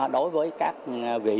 đối với các vị